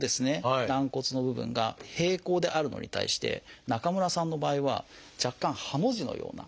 軟骨の部分が平行であるのに対して中村さんの場合は若干ハの字のような。